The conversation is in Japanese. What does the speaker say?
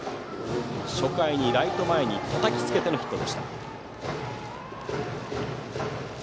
初回にライト前にたたきつけてのヒット。